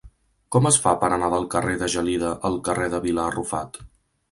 Com es fa per anar del carrer de Gelida al carrer de Vila Arrufat?